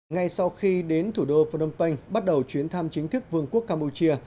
ngay sau khi đến thủ đô phnom penh bắt đầu chuyến thăm chính thức vương quốc campuchia